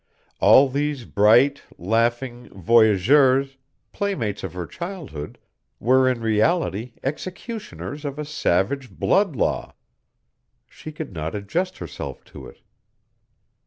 All these bright, laughing voyageurs, playmates of her childhood, were in reality executioners of a savage blood law. She could not adjust herself to it.